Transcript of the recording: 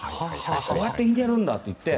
こうやって握るんだって。